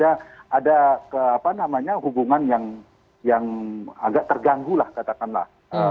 ada hubungan yang agak terganggu lah katakanlah